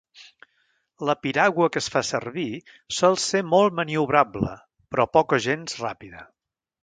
La piragua que es fa servir sol ser molt maniobrable però poc o gens ràpida.